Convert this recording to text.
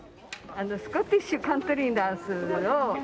スコティッシュ・カントリー・ダンスをやってる。